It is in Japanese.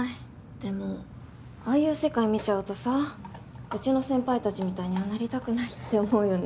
でもああいう世界見ちゃうとさうちの先輩たちみたいにはなりたくないって思うよね。